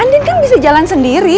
andin kan bisa jalan sendiri